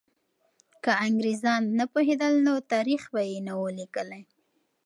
که انګریزان نه پوهېدل، نو تاریخ به یې نه وو لیکلی.